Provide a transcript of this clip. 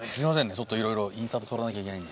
ちょっと色々インサート撮らなきゃいけないんで。